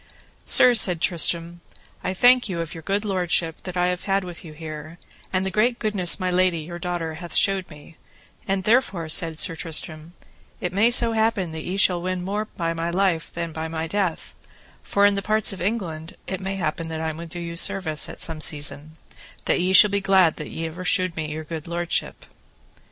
Sir, said Tristram, I thank you of your good lordship that I have had with you here, and the great goodness my lady, your daughter, hath shewed me, and therefore, said Sir Tristram, it may so happen that ye shall win more by my life than by my death, for in the parts of England it may happen I may do you service at some season, that ye shall be glad that ever ye shewed me your good lordship.